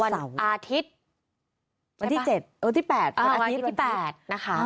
วันอาทิตย์ที่๗วันอาทิตย์ที่๘นะคะ